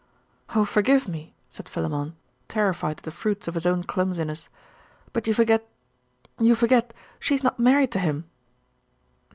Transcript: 'Oh' forgive me!' said Philammon, terrified at the fruits of his own clumsiness. 'But you forget you forget, she is not married to him!